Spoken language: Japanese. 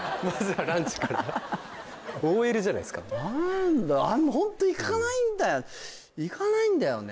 何だホント行かないんだよ行かないんだよね